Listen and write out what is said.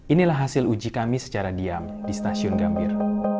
inilah hasil uji kami secara diam di stasiun gambir